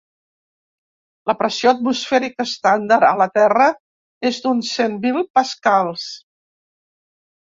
La pressió atmosfèrica estàndard a la Terra és d'uns cent mil pascals.